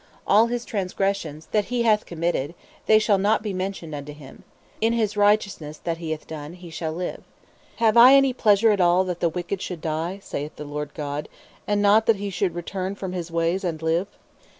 All his transgressions that he hath committed, they shall not be mentioned unto him: in his righteousness that he hath done he shall live. Have I any pleasure at all that the wicked should die? saith the Lord God; and not that he should return from his ways and live?"